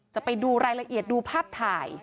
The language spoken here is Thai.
จะไปดูรายละเอียดดูภาพถ่าย